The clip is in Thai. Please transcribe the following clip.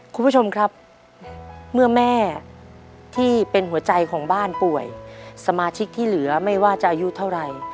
คุณผู้ชมครับเมื่อแม่ที่เป็นหัวใจของบ้านป่วยสมาชิกที่เหลือไม่ว่าจะอายุเท่าไหร่